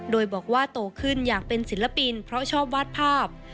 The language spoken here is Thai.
โดยบอกว่าโตขึ้นอยากเป็นศิลปินเพราะชอบวาดภาพ